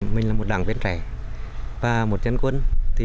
mình là một đảng viên trẻ và một dân quân